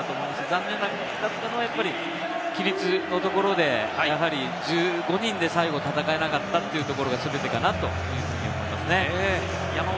残念だったのは規律のところで１５人で最後、戦えなかったというところが全てかなと思いますね。